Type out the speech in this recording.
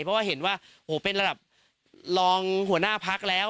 เพราะว่าเห็นว่าโอ้โหเป็นระดับรองหัวหน้าพักแล้ว